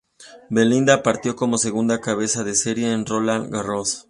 Belinda partió como segunda cabeza de serie en Roland Garros.